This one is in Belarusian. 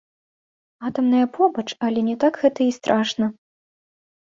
Атамная побач, але не так гэта і страшна.